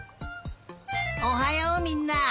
おはようみんな！